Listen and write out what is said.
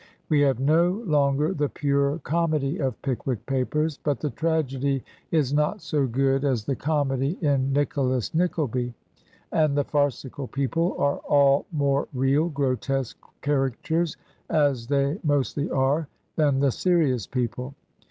We have no longer the pure comedy of "Pickwick Papers," but the tragedy is not so good as the comedy in "Nicholas Nickleby/' and the farcical people are all more real, grotesque caricatures as they mostly are, than the serious people.